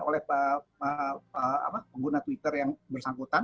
yang dipergunakan oleh pengguna twitter yang bersangkutan